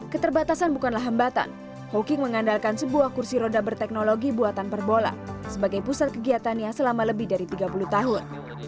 keterbatasan bukanlah hambatan hawking mengandalkan sebuah kursi roda berteknologi buatan perbola sebagai pusat kegiatannya selama lebih dari tiga puluh tahun